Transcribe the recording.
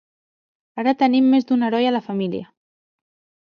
Ara tenim més d'un heroi a la família.